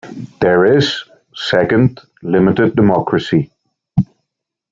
There is, second, limited democracy.